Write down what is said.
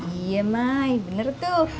iya mai bener tuh